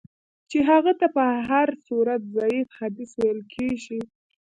چي هغه ته په هر صورت ضعیف حدیث ویل کیږي.